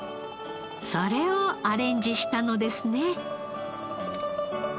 それをアレンジしたのですね。